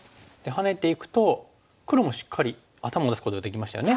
ハネていくと黒もしっかり頭を出すことができましたよね。